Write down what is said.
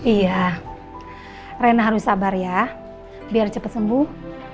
iya rena harus sabar ya biar cepat sembuh